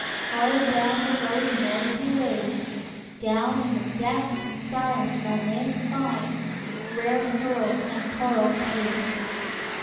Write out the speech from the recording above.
far down below the noisy waves, Down in the depths and silence thou mayst find Rare pearls and coral caves.